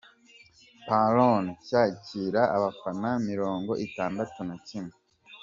Perón cyakira abafana mirongo itandatu na kimwe.